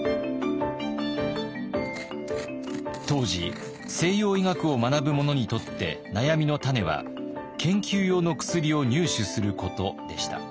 当時西洋医学を学ぶ者にとって悩みの種は研究用の薬を入手することでした。